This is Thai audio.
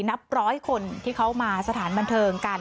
นับร้อยคนที่เขามาสถานบันเทิงกัน